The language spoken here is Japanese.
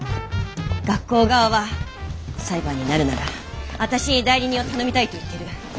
学校側は裁判になるなら私に代理人を頼みたいと言ってる。